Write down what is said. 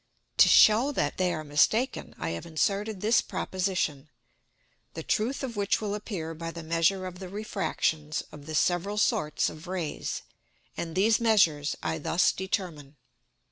To shew that they are mistaken, I have inserted this Proposition; the truth of which will appear by the measure of the Refractions of the several sorts of Rays; and these measures I thus determine.